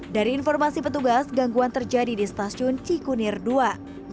dari informasi petugas gangguan terjadi di stasiun cikunir ii